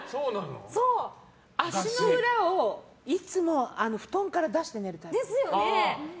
足の裏をいつも布団から出して寝るタイプ。